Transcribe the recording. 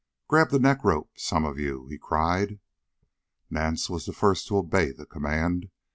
"Grab the neck rope some of you," he cried. Nance was the first to obey the command.